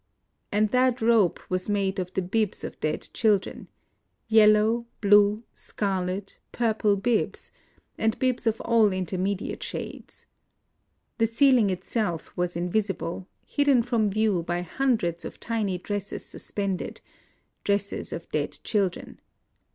And that rope was made of the hibs of dead chil dren^ — yellow, blue, scarlet, purple bibs, and bibs of all intermediate shades. The ceiling itseK was invisible, — hidden from view by hundreds of tiny dresses suspended, — dresses of dead children.